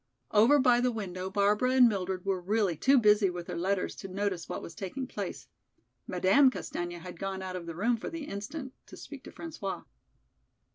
Over by the window Barbara and Mildred were really too busy with their letters to notice what was taking place. Madame Castaigne had gone out of the room for the instant to speak to François.